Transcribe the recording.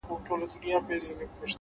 ښه اورېدونکی ښه زده کوونکی وي؛